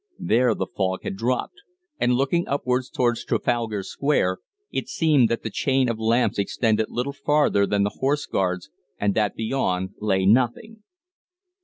There the fog had dropped, and, looking upward towards Trafalgar Square, it seemed that the chain of lamps extended little farther than the Horse Guards, and that beyond lay nothing.